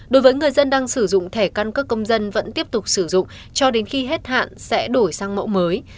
đối với người dân đang sử dụng thẻ căn cước công dân vẫn tiếp tục sử dụng cho đến khi hết hạn sẽ đổi sang mẫu mới